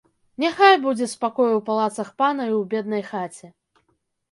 Няхай будзе спакой у палацах пана і ў беднай хаце.